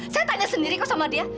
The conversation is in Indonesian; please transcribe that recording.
saya tanya sendiri kok sama dia